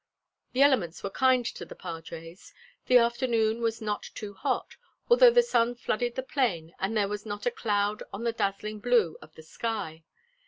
The elements were kind to the padres. The afternoon was not too hot, although the sun flooded the plain and there was not a cloud on the dazzling blue of the sky.